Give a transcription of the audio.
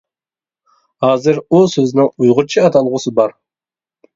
ھازىر ئۇ سۆزنىڭ ئۇيغۇرچە ئاتالغۇسى بار.